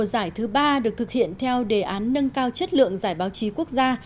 giải thứ ba được thực hiện theo đề án nâng cao chất lượng giải báo chí quốc gia